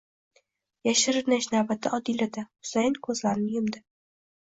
Yashirinish navbati Odilada. Husayin ko'zlarini yumdi.